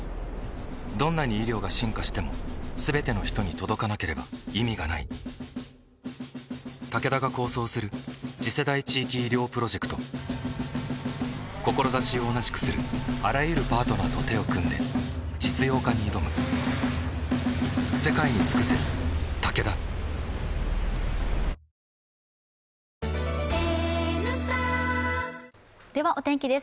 どんなに医療が進化しても全ての人に届かなければ意味がないタケダが構想する次世代地域医療プロジェクト志を同じくするあらゆるパートナーと手を組んで実用化に挑むお天気です。